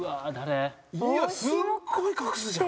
いやすごい隠すじゃん！